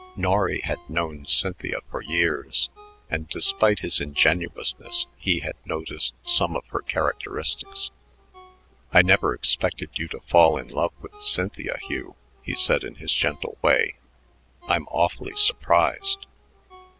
Norry had known Cynthia for years, and despite his ingenuousness, he had noticed some of her characteristics. "I never expected you to fall in love with Cynthia, Hugh," he said in his gentle way. "I'm awfully surprised."